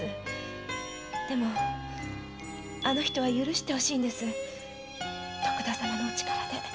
でもあの人は許してほしいんです徳田様のお力で。